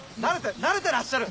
慣れてらっしゃる。